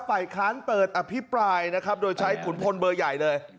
ฝ่ายค้านเปิดอภิปรายนะครับโดยใช้ขุนพลเบอร์ใหญ่เลย